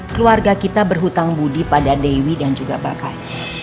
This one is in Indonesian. keluarga kita berhutang budi pada dewi dan juga bapak